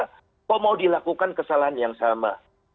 kok mau dilakukan kesalahan yang sama